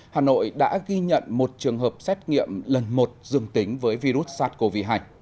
hà nội đã ghi nhận một trường hợp xét nghiệm lần một dương tính với virus sars cov hai